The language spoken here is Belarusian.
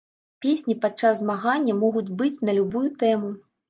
Песні падчас змагання могуць быць на любую тэму.